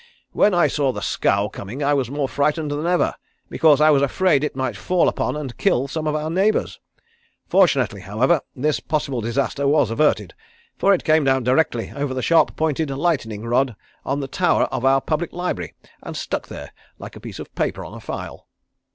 When I saw the scow coming I was more frightened than ever because I was afraid it might fall upon and kill some of our neighbours. Fortunately, however, this possible disaster was averted, for it came down directly over the sharp pointed lightning rod on the tower of our public library and stuck there like a piece of paper on a file.